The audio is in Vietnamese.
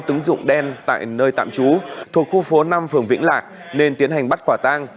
tứng dụng đen tại nơi tạm trú thuộc khu phố năm phường vĩnh lạc nên tiến hành bắt quả tang